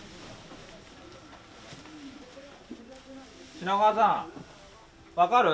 品川さん分かる？